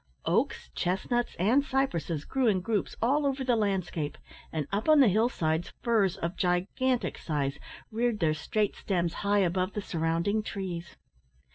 Oaks, chestnuts, and cypresses grew in groups all over the landscape, and up on the hill sides firs of gigantic size reared their straight stems high above the surrounding trees.